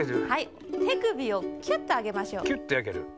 てくびをキュッとあげましょう。